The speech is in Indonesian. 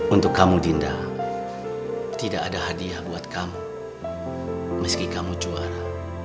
untuk kamu dinda tidak ada hadiah buat kamu meski kamu juara